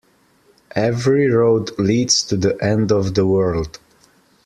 Every road leads to the end of the world.